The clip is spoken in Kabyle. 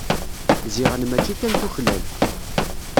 Ziɣen mačči kan tuklal.